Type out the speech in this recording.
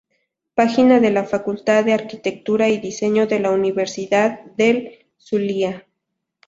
Página de la Facultad de Arquitectura y diseño de la Universidad del Zulia.